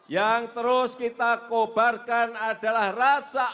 yang terus kita kobarkan adalah rasa